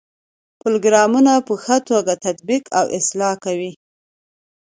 پروګرامونه په ښه توګه تطبیق او اصلاح کوي.